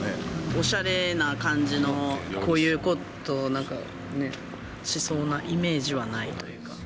おしゃれな感じの、こういうことを、なんかね、しそうなイメージはないというか。